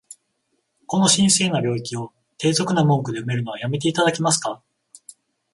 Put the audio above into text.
この神聖な領域を、低俗な文句で埋めるのは止めて頂けますか？